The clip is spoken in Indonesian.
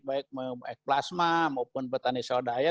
yang tergabung dengan ekplasma maupun petani swadaya